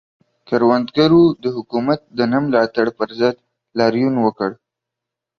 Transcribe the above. کروندګرو د حکومت د نه ملاتړ پر ضد لاریون وکړ.